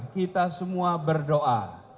kita semua berdoa